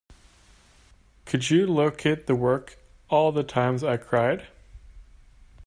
Could you locate the work, All the Times I Cried?